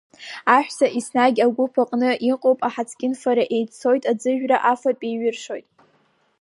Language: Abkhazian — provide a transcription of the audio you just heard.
Аҳәса еснагь агәыԥ аҟны иҟоуп, аҳацкьынфара еиццоит, аӡыжәра, афатә еиҩыршоит.